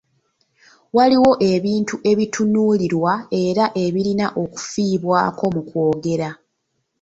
Waliwo ebintu ebitunuulirwa era ebirina okufiibwako mu kwogera .